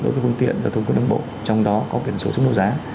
đối với phương tiện giáo thông quân đồng bộ trong đó có biển số trúng đấu giá